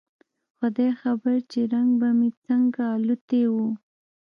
خداى خبر چې رنگ به مې څنګه الوتى و.